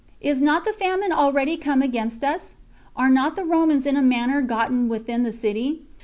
Is not the famine already come against us? Are not the Romans in a manner gotten within the city?